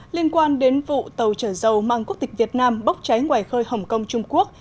liên quan đến vụ tàu chở dầu mang quốc tịch việt nam bốc cháy ngoài khơi hồng kông trung quốc